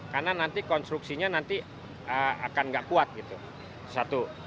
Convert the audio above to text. karena nanti konstruksinya nanti akan nggak kuat gitu satu